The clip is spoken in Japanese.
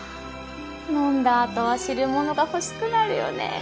飲んだあとは汁物が欲しくなるよね。